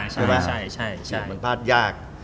จากมันพลาดยาก